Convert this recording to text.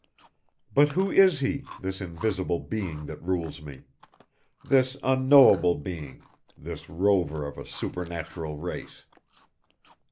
But who is he, this invisible being that rules me? This unknowable being, this rover of a supernatural race?